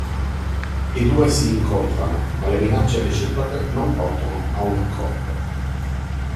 I due si incontrano, ma le minacce reciproche non portano a un accordo.